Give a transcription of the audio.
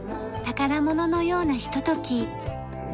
宝物のようなひととき。